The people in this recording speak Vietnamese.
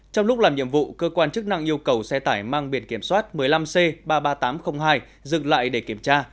trong lúc làm nhiệm vụ cơ quan chức năng yêu cầu xe tải mang biển kiểm soát một mươi năm c ba mươi ba nghìn tám trăm linh hai dựng lại để kiểm tra